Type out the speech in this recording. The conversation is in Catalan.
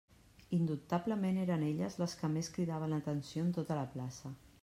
Indubtablement eren elles les que més cridaven l'atenció en tota la plaça.